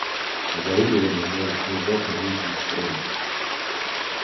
Оборудование может внезапно выйти из строя